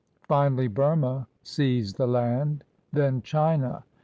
Finally, Burma seized the land; then China.